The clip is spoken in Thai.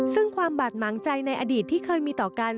ซึ่งความบาดหมางใจในอดีตที่เคยมีต่อกัน